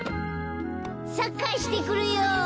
サッカーしてくるよ。